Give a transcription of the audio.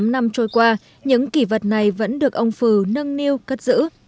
ba mươi tám năm trôi qua những kỷ vật này vẫn được ông phừ nâng niu cất giữ